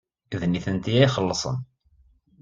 D nitenti ad ixellṣen.